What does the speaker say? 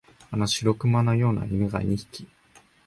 あの白熊のような犬が二匹、